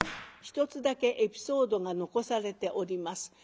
一つだけエピソードが残されております。